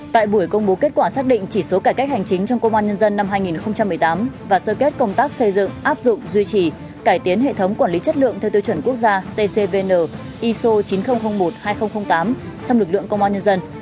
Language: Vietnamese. tại buổi công bố kết quả xác định chỉ số cải cách hành chính trong công an nhân dân năm hai nghìn một mươi tám và sơ kết công tác xây dựng áp dụng duy trì cải tiến hệ thống quản lý chất lượng theo tiêu chuẩn quốc gia tcvn iso chín nghìn một hai nghìn tám trong lực lượng công an nhân dân